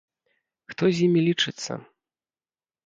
Хто з імі лічыцца!